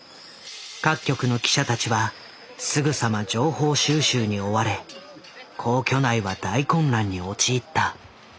各局の記者たちはすぐさま情報収集に追われ皇居内は大混乱に陥った。